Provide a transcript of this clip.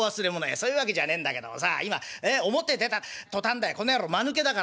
「そういうわけじゃねえんだけどもさ今表出た途端だよこの野郎まぬけだからね